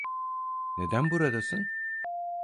Neden buradasın?